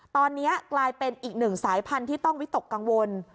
ตอนนี้กลายเป็นอีกหนึ่งสายพันธุ์ที่ต้องวิตกกังวล